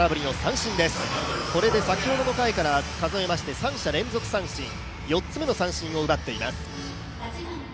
これで先ほどの回から数えまして三者連続三振、４つ目の三振を奪っています。